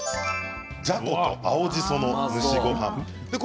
じゃこと青じその蒸しごはんです。